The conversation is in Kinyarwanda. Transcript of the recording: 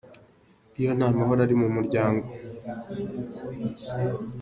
Iyo ntamahoro ari mumuryango.